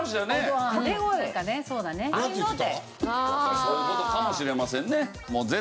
そういう事かもしれませんね。